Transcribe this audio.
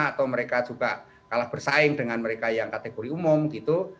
atau mereka juga kalah bersaing dengan mereka yang kategori umum gitu